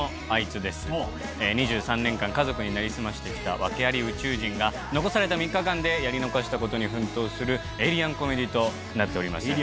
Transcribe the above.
２３年間家族になりすましてきた訳あり宇宙人が残された３日間でやり残したことに奮闘するエイリアンコメディーとなっております。